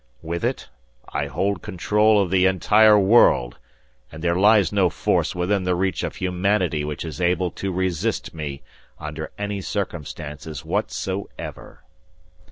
With it, I hold control of the entire world, and there lies no force within the reach of humanity which is able to resist me, under any circumstances whatsoever.